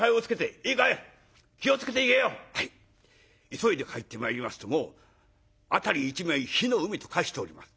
急いで帰ってまいりますともう辺り一面火の海と化しております。